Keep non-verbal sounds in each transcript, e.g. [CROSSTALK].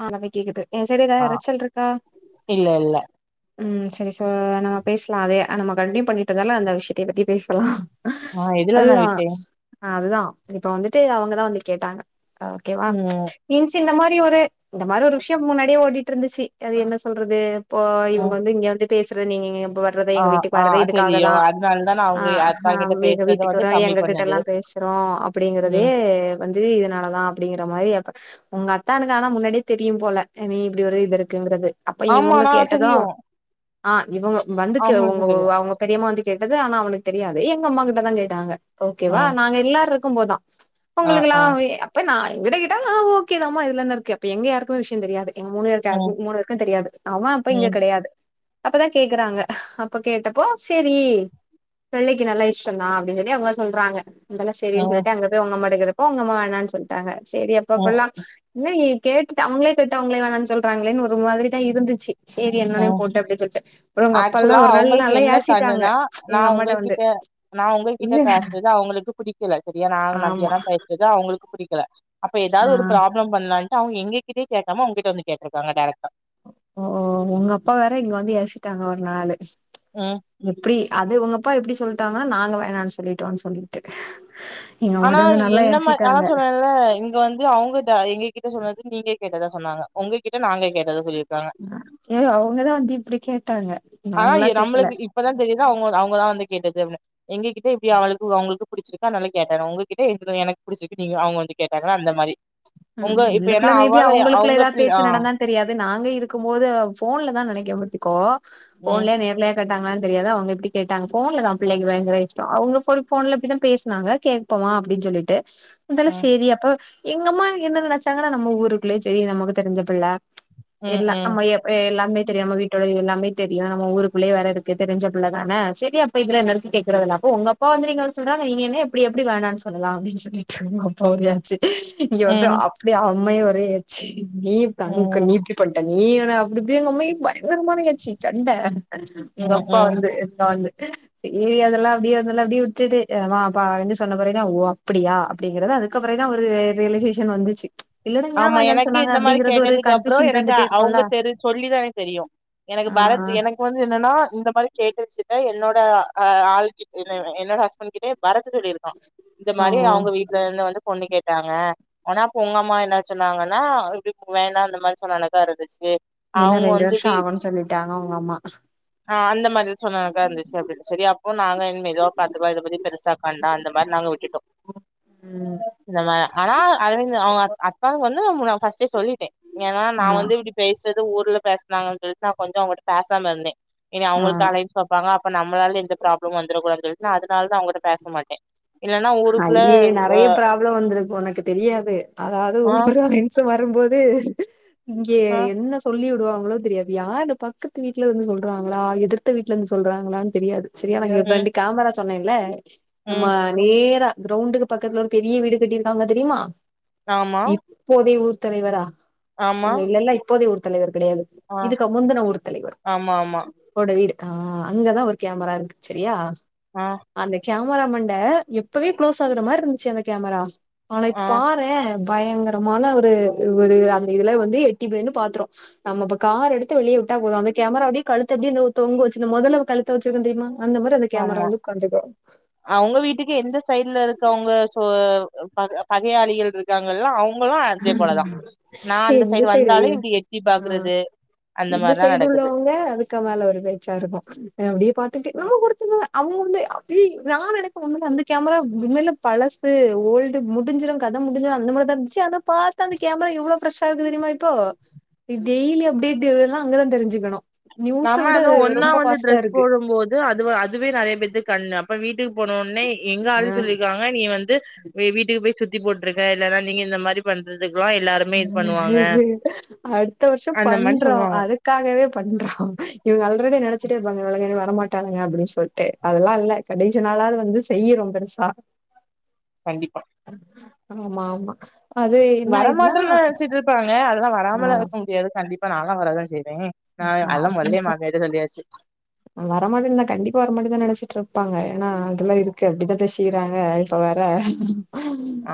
ஆ நல்லா கேக்குது எ சைடு எதா ஆ எறச்சல்ருக்கா? இல்ல இல்ல ம் செரி சோ நம்ம பேசலா அதே நம்ம கண்டின்யூ பண்ணிட்டதால அந்த விஷ்யத்தயே பத்தி பேசலா ஆ எதுல நா அதுதா விட்டே அ அதுதா இதுக்கு வந்துட்டு அவங்கதா வந்து கேட்டாங்க ஓகே மேம் ம் இன்சி இந்த மா சி ஒரு இந்த மாரி ஒரு விஷயம் முன்னாடியே ஓடிட்டு இருந்துச்சு அது என்ன சொல்றது போ இவங்க ம் வந்து இங்க வந்து பேசுறே நீங்கங்க இப்ப வரறதே ஆ எங்க வீட்டுக்கு ஆ வரறதே இதுக்காக தெரியு தான் அதனால தா நா ஆ அவங்க அக்கா ஹா கிட்ட எங்க பேசுறத வீட்டுக்கு வந்து வருவோம் கம்மி எங்க பண்ணது கிட்டல்லா பேசுறோம் அப்டிங்கறதே ம் வந்து இதுனாலதான் அப்டிங்கிற கா மாதிரி உங்க அக் அத்தானு ஆனா முன்னாடியே தெரியும் போல நீ இப்டி ஒரு இது இருக்குங்றது ஆமாண்ணா தெரியும் ஆ இவுங்கோ வந்துக்கு உங்க அவங்க பெரியம்மா வந்து கே அது ஆனா அவனுக்கு தெரியாது எங்க அம்மா கிட்டதா கேட்டாங்க ஓகே வா ம் நாங்க எல்லாருக் கும் போதான் ஆ உங்களுக்குல்லா ஆ வே அப்ப நா விட கேட்டா நா ஓகே தாம்மா இதுல என்ன இருக்கு ப எங்க யாருக்குமே விஷ்ய தெரியாது எங்க மூணு பேரு ம் யாருக்கும் மூணு பேருக்கும் தெரியாது அவேன் அப்ப இங்க ம் கெடையாது அப்பதான் கேக்குறாங்க அப்ப கேட்டப்போ செரி பிள்ளைக்கு நல்லா விஷ்யந்தா அப்டின் சொல்லி அவுங்க சொல்றாங்க அதெல்லா சேரின் ம் சொல்லிட்டு அங்க போய் உங்க அம்மாட்ட கேட்டுட் ஒங்கம்மா வேணான் சொல்லிட்டாங்க சேரி அப்ப ம் அப்புல்லா இன்னாயி கேட்டு அவுங்களே கேட்டு அவுங்களே வேணான் சொல்றாங்களேன் ஒரு மாதிரி தா இருந்துச்சு சரி என்னன்னே ஹும் போட்டு அப்டின்னு சொல்லிட்டு அப்புறம் உங்க அப்பல்லா ஆக்சுவலா ஒரு நாள் அவுங்களுக்கு நல்லா என்ன ஏசிட்டாங்க கண்ணுனா நா எங்க அம்மாட்ட வந்து உங்ககிட்ட நா உங்கள்கிட்ட இல்ல பேசறது அவுங்களுக்கு புடிக்கல சரியா நா ஆமா நம்பியல்லா பேசுறது அவுங்களுக்கு புடிக்கல அப்ப ஆ ஏதாவுது ஒரு பிராப்ளம் பண்லான் அவுங்க எங்க கிட்டே கேக்காம உங்கிட்ட வந்து கேட்டு இருக்காங்க டேரக்டா ஓ உங்க அப்பா வேற இங்க வந்து ஏசிட்டாங்க ஒரு நாலு ம் எப்டி அது உங்கப்பா எப்டி சொல்லிட்டாங்கனா நாங்க வேணான் சொல்லிட்டோன்னு சொல்லிகிட்டு ஆனா என்ன மா ஆனா சொன்னல இங்க வந்து அவுங்க எங்க கிட்ட சொன்னது நீங்க கேட்டதா சொன்னாங்க உங்ககிட்ட நாங்க கேட்டதா சொல்லி ஏ அவங்கதான் வந்து இப்டி கேட்டாங்க ஆனா நாங்களா கேக்கல நம்மளுக்கு இப்பதா தெரியுது அவுங்க அவுங்கதா வந்து கேட்டது எங்ககிட்ட இப்படி அவுளுக்கு அவுங்களுக்கு புடிச்சிருக்கா நாளை கேட்டாங்க உங்ககிட்டக்கு புடிச்சிக்கு நீங்க அவுங்க வந்து கேட்டாங்கா அந்த மாரி உம் உங்க இப்ப ஏன்னா உள்ளுக்குள்ள மேபி அவள அவுங்களுக்குள்ள அவுங்க ஏதா பிள் ஆ பேச்சு நடந்தா தெரியாது நாங்க இருக்கும் போது போன்ல தா நினைக்கறேன் கோ ம் போன்ல நேரல கட்டாங்களனு தெரியாது அவுங்க எப்பிடி கேட்டாங்க போன்லதான் பிள்ளைங்க அவுங்க போன்ல எப்பிடிதா பேசுனாங்க கேட்போமா அப்புடின்னு சொல்லிட்டு இருந்தாலும் ம் சேரி அப்ப எங்க அம்மா என்னன்னு நெனச்சாங்கன்னா நம்ம ஊருக்குள்ள சேரி நமக்கு தெரிஞ்சபுள்ள ம் எல்லா ம் நம் எ எல்லாமே தெரிய நம்ம வீட்டோடது எல்லா தெரியும் நம்ம ஊருக்குள்ளே வர இருக்கு தெரிஞ்ச புள்ளதானே சேரி அப்ப இதுல என்ன இருக்கு கேக்குறதல்ல அப்ப உங்க அப்பா வந்து நீங்க சொல்றாங்க நீங்க என்ன எப்பிடி எப்பிடி வேணான்னு சொல்லா அப்பிடின்னு சொல்லிட்டு உங்க அப்பாச்சி ம் அப்படிய ஆ உண்மைய ஒரே ஏச்சி நீ தங்க ம் நீப்பி பண்ணிட்டேங்க நீயன அப்பிடி இப்பிடி எங்க அம்மா பயங்கரமானயச்சு சண்ட எங்க ம் அப்பா ம் வந்து என்ன வந்து சரி அதெல்லாம் அப்பிடியே அதெல்லாம் அப்பிடியே விட்டுட்டு ஆமா வ வா சொன்ன பிறகு ஓ அப்பிடியா அப்புடிங்கிறது அதுக்கு அப்புற தா ஒருரியலைசேஷசன் இங்க வந்துச்சி ஆமா எனக்கு இந்த மாரி கேட்டதுக்கு அப்புறம் கன்ஃபியூஷன் எனக்கு இருந்துட்டே இருக்குல்ல அவுங்க தெரி சொல்லி தான் தெரியும் எனக்கு ஆ பரத் எனக்கு வந்து என்னன்னா இந்த மாரி கேட்டு வச்சுட்ட என்னோட ஆள் கிட்ட என்னோட ஹஸ்பண்ட் கிட்டயே பரத் சொல்லி இருக்கா இந்த ஆ ஓ மாரி அவுங்க வீட்டுல இருந்து வந்து பொண்ணு கேட்டாங்க ஆனா ஒங்கம்மா என்னாச்ச சொன்னாங்கன்னா எப்படி வேணான்ற அந்த மாரி சொன்னமாரி இருந்துச்சு இன்னும் அவங்க ரெண்டு வந்து வருஷம் ஆகும்ன்னு சொல்லிட்டாங்க உங்க அம்மா ஆஹ அந்தமாரி சொன்னனக்கா அந்த விஷய எப்டின்னு செரி அப்போ நாங்க ஏதோ பாத்துகிவா எதோபண்ணி பெருசாப்பண்றா அந்த மாரி நாங்க விட்டு நம்ம ஆனா அவிங்க அவுங்க அத் த வந்து நா ஃபஸ்ட்டே சொல்லிட்டே ஏனா ஆ நா வந்து இப்டி பேசுற து ஊர்ல பேசுனாங்கன் சொல் நா கொஞ்ச அவுங்கட்ட பேசாம இருந்தே இனி ஆ அவுங்களுக்கு அலயன்ஸ் பாப்பாங்க அப் நம்மளால எந்த ப்ராப்ளமு வந்துரக்கூடாதுன்டு நா அதுனால் தா அவுங்கட்ட பேச மாட்டே இல்லன்னா ஊருக்குள்ள ஐய்ய அ நெறைய ப்ராப்ள வந்துருக்கு உனக்கு தெரியாது அதா அது ஆ ஒரு [UNINTELLIGIBLE] இம்ச வ ரும்போது இங்கே ஆ என்ன சொல்லிரு வாங்களோ தெரியாது யாரு பக்கத்து வீட்லருந்து சொல்றாங்களா எதிர்த்த வீட்டுலந்து சொல்றாங்களான் தெரியாது செரியா நாங்க ம் ரெண்டு கேமராச் சொன்னேல்ல நம்ம ம் நேரா கிரௌண்டுக்கு பக்கத்துல ஒரு பெரிய வீடு கட்டியிருக்காங்க தெரியுமா ஆமா இப்போதய ஊர் தலைவரா ஆமா அங்க இல்ல இல்ல இப்போதே ஊர் தலைவர் கெடையாது ஆ இதுக்கு முந்துன ஊர் தலைவர் ஆமா ஆமா அவொரட வீடு ஆ அங்கதா ஒரு கேமரா இருக்கு சரியா ஆ அந்த கே மரா மண்ட எப்பவே கு்ளோஸ் ஆகுற மார்ருந்ச்சு அந்த கேமரா நாளைக்கு ஆ பாரே அ பயங்கரமான ஒரு ஒரு அந்த இதுல வந்து எட்டிபோய் நின்னு பாத்துரு நம்ம இப்ப கார் எடுத்து வெளிய விட்டா போது அந்த கேமரா அப்டே கழுத்து அப்டியே தொங்கு வச்சு இந்த மொதல கழுத்து வச்சிருக்கு தெரிமா அந்த மாரி அந்த கேமரா ஆமா வந்து உக்காந்துக்கு அவங்க வீட்டுக்கு எந்த சைட்ல இருக்கவுங்க சோ பக பகையாளிகள் இருக்காங்கல்ல அவுங் இந்த சைடு வந்தாலே இப்டி எட்டி ஆ பாக்குறது அந்த இந்த மாரிதா சைடு நடக்குது உள்ளவங்க அதுக்க மேல ஒரு பேச்சா இருக்கு அப்டியே பாத்தட்டு நம்ம ஒருத்த அவுங்க வந்து அப்ப நா நைக்கு அந்த கேமரா உண்மேல பழசு ஓல்டு முடிஞ்சிடு கதை முடிஞ்சிர அந்த மாதிரி தா இருந்துச்சு அத பாத்தா அந்த கேமரா எவ்ளோ ஃப்ரெஷ் இருக்கு தெரியுமா இப்போ டெய்லி அப்டேட் எல்லா அங்கதா தெருஞ்சுக்கணு நம்ம அதுவு ஒன்னா வந்து ட்ரெஸ் போடும் போது அது அதுவே நெறய பேத்துக்கு கண்ணு அப்ப வீட்டு இக்கு போன உன்னே எங்க ஆளு ஆஹ் சொல்லியிருக்காங்க நீ வந்து வீட்டுக்கு போய் சுத்தி சுத்தி போட்டுருக்கே இல்லன்னா நீங்க இந்த மாதிரி பண்றது அடுத்த வருஷோ அந்த மாரி பண்றோ சொல்லுவாங்க அதுக்காகவே பண்றோ இவுங்க ஆல்ரெடி நெனச்சுட்டே இருப்பாங்க இவள கேக்கலா பண்ண மாட்டானுங்க அப்டின்னு சொல்லிட்டு அதெல்லா இல்ல கடைசி நாளாவது வந்து செய்யனு ரொம்ப பெருசா கண்டிப்பா ஆமா ஆமா அது என்னா ஆயிச்சு இதுன்னு நெனச்சிட்டு இருப்பாங்க அதெல்லா வராமலா இருக்க முடியாது கண்டிப்பா நால்லா வராதா சேரி அக்க சொல்லியாச்சு வர மாட்டேதா கண்டிப்பா வர மாட்டேதா நெனச்சிட்டு இரு இருப்பாங்க ஏன்னா அதெல்லா இருக்கு அப்டிதா பேசிக்கிறாங்க இப்ப வேற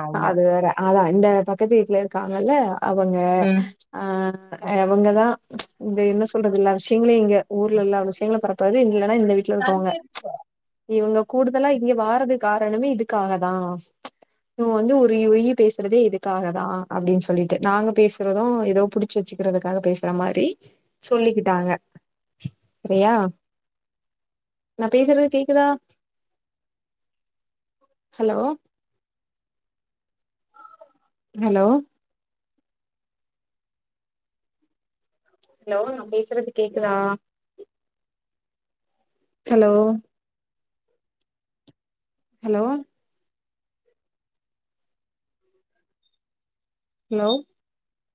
ஆமா அது வேற அதா அந்த பக்கத்து வீட்ல இருக்காங்கல்ல அவுங்க ஆ அவுங்கதா இந்த என்ன சொல்றது லட்க்ஷிங்கிங் ஊர்ல எல்லா விஷயங்கள பற படி இவுங்க தா இந்த வீட்ல இருக்கவங்க ம் இவுங்க கூடுதலா இங்க வாரதுக்கு காரணமே இதுக்காகதா இவங்க வந்து ஒரு யயி பேசுறதே இதுக்காக தா அப்டின்னு சொல்லிட்டு நாங்க பேசுறது ஏதோ புடிச்சு வச்சுக்குறதுக்காக பேசுற மாரி சொல்லிக்கிட்டாங்க சரியா நா பேசுறது கேக்குதா ஹலோ ஹலோ ஹலோ நா பேசுறது கேக்குதா ஹலோ ஹலோ ஹலோ